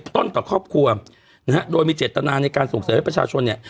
ต้นต่อครอบครัวนะฮะโดยมีเจตนาในการส่งเสริมให้ประชาชนเนี่ย